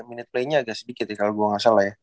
minute play nya agak sedikit ya kalau gue gak salah ya